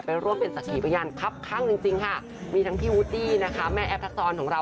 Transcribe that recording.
เป็นร่วมเป็นศักดิ์พยานครับครั้งจริงค่ะมีทั้งพี่วุธี่นะคะแม่แอปทักษรของเรา